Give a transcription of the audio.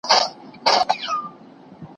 هر کار د سبب له لارې کېږي.